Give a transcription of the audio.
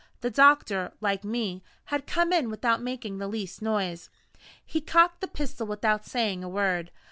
The doctor (like me) had come in without making the least noise. He cocked the pistol without saying a word.